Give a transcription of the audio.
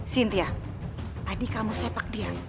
cynthia adik kamu sepak dia